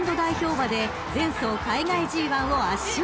馬で前走海外ＧⅠを圧勝］